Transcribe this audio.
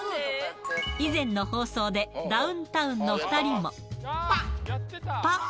以前の放送で、ダウンタウンの２パッ。